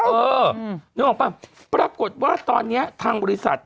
เออนึกออกป่ะปรากฏว่าตอนนี้ทางบริษัท